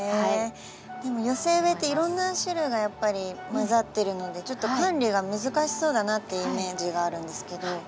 寄せ植えっていろんな種類がやっぱり混ざってるのでちょっと管理が難しそうだなってイメージがあるんですけど。